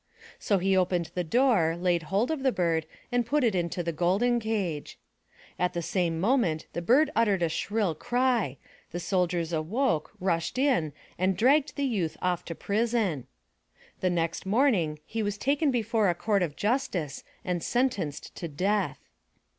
So he opened the door, laid hold of the bird and put it into the golden cage. At the same moment the bird uttered a shrill cry, the soldiers awoke, rushed in and dragged the youth off to prison. The next morning he was taken before a court of justice and sentenced to death.